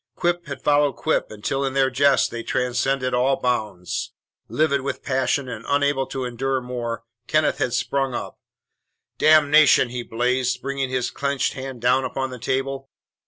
Quip had followed quip until in their jests they transcended all bounds. Livid with passion and unable to endure more, Kenneth had sprung up. "Damnation!" he blazed, bringing his clenched hand down upon the table.